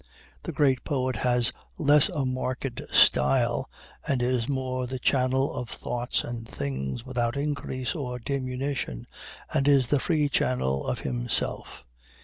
The great poet has less a mark'd style, and is more the channel of thoughts and things without increase or diminution, and is the free channel of himself.